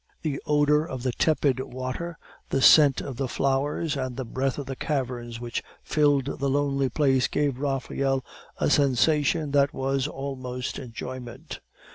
The odor of the tepid water; the scent of the flowers, and the breath of the caverns which filled the lonely place gave Raphael a sensation that was almost enjoyment.